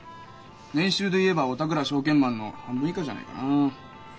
年収で言えばお宅ら証券マンの半分以下じゃないかなあ。